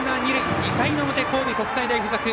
２回の表、神戸国際大付属